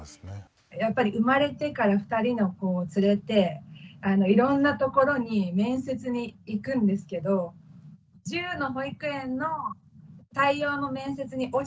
やっぱり生まれてから２人の子を連れていろんなところに面接に行くんですけど１０の保育園の採用の面接に落ちてしまって。